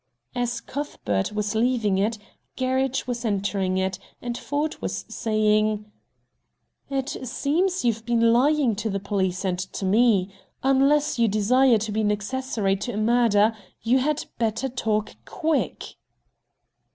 As Cuthbert was leaving it, Gerridge was entering it, and Ford was saying: "It seems you've been lying to the police and to me. Unless you desire to be an accessory to a murder, You had better talk quick!"